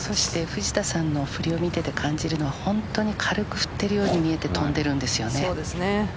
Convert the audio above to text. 藤田さんの振りを見て感じるのは本当に軽く振ってるように見えて飛んでいるんです。